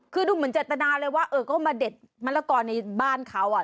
คือดูเหมือนเจตนาเลยว่าเออก็มาเด็ดมะละกอในบ้านเขาอ่ะ